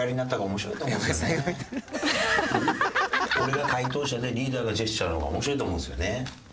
俺が解答者でリーダーがジェスチャーの方が面白いと思うんですよね。